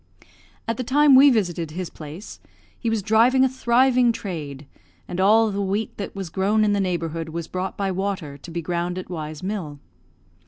At the time we visited his place, he was driving a thriving trade, and all the wheat that was grown in the neighbourhood was brought by water to be ground at Y 's mill.